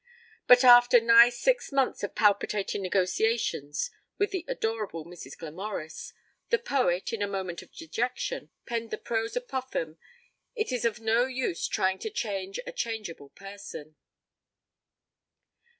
But after nigh six months of palpitating negotiations with the adorable Mrs. Glamorys, the poet, in a moment of dejection, penned the prose apophthegm, 'It is of no use trying to change a changeable person.'